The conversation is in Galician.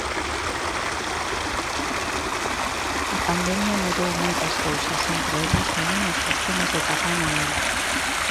A pandemia mudou moitas cousas, entre elas tamén os costumes de Papá Noel.